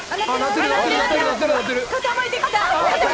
傾いてきた！